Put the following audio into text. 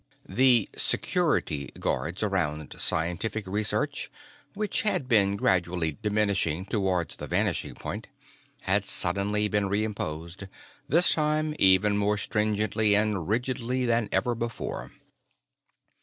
The "security" guards around scientific research, which had been gradually diminishing towards the vanishing point, had suddenly been re imposed this time, even more stringently and rigidly than ever before.